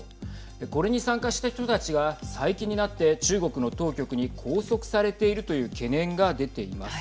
これに参加した人たちが最近になって中国の当局に拘束されているというはい。